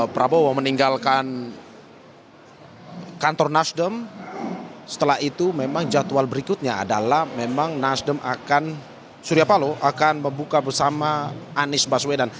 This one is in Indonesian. prabowo meninggalkan kantor nasdem setelah itu memang jadwal berikutnya adalah memang nasdem akan surya paloh akan membuka bersama anies baswedan